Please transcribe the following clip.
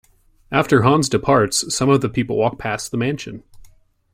After Hans departs, some of the people walk past the mansion.